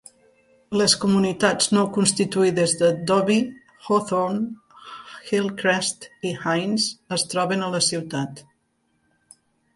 Les comunitats no constituïdes de Dobie, Hawthorne, Hillcrest i Hines es troben a la ciutat.